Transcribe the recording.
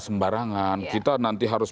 sembarangan kita nanti harus